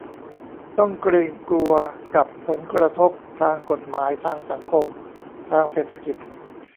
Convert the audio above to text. ต้องเกรงกลัวกับผลกระทบทางกฎหมาย ทางสังคม ทางเศรษฐกิจ